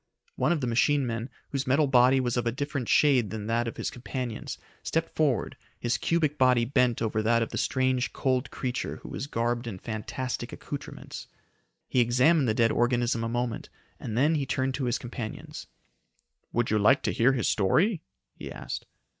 One of the machine men, whose metal body was of a different shade than that of his companions, stepped forward, his cubic body bent over that of the strange, cold creature who was garbed in fantastic accoutrements. He examined the dead organism a moment, and then he turned to his companions. "Would you like to hear his story?" he asked.